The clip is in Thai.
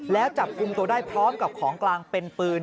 แล้วจับกลุ่มตัวได้พร้อมกับของกลางเป็นปืน